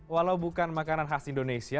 walau bukan makanan khas indonesia